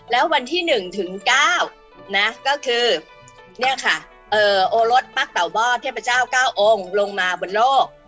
และวันที่หนึ่งถึงเก้าก็คือโอรสปักเต่าบ่อเทพเจ้าเก้าองค์ลงมาบนโลก